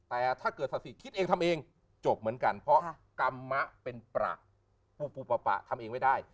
แต่ถ้าเกิดศาสิคิดเองทำเองจบเหมือนกันเพราะกรรมมะเป็นประปูปูปะทำเองไม่ได้